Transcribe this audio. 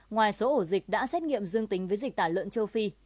ngoài số ổ dịch đã xét nghiệm dương tính với dịch tả lợn châu phi